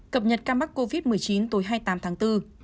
cập nhật ca mắc covid một mươi chín tối hai mươi tám tháng bốn